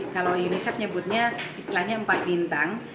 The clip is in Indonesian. kalau unicef nyebutnya istilahnya empat bintang